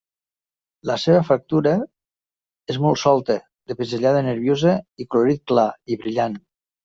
La seva factura és molt solta, de pinzellada nerviosa i colorit clar i brillant.